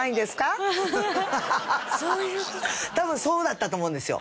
多分そうだったと思うんですよ。